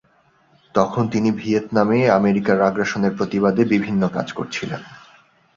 তখন তিনি ভিয়েতনামে আমেরিকার আগ্রাসনের প্রতিবাদে বিভিন্ন কাজ করছিলেন।